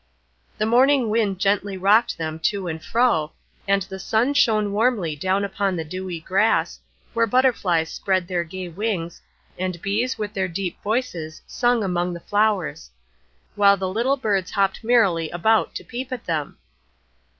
The morning wind gently rocked them to and fro, and the sun shone warmly down upon the dewy grass, where butterflies spread their gay wings, and bees with their deep voices sung among the flowers; while the little birds hopped merrily about to peep at them.